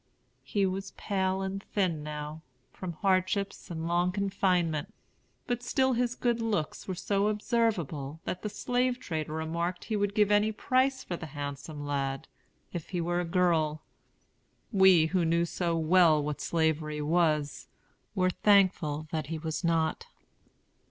He was pale and thin now, from hardships and long confinement; but still his good looks were so observable that the slave trader remarked he would give any price for the handsome lad, if he were a girl. We, who knew so well what Slavery was, were thankful that he was not.